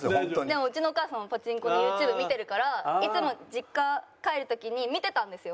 でもうちのお母さんもパチンコのＹｏｕＴｕｂｅ見てるからいつも実家帰る時に見てたんですよ